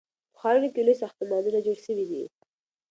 په ښارونو کې لوی ساختمانونه جوړ سوي دي.